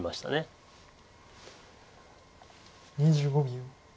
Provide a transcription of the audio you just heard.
２５秒。